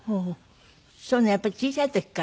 そういうのはやっぱり小さい時から。